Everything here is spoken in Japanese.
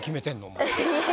もう。